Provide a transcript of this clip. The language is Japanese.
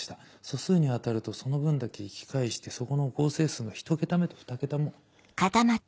素数に当たるとその分だけ引き返してそこの合成数のひと桁目とふた桁目を。